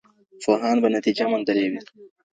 پوهان به نتيجه موندلې وي.